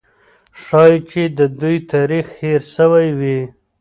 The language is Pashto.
ښایي چې د دوی تاریخ هېر سوی وي.